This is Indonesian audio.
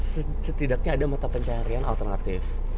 setidaknya ada mata pencarian alternatif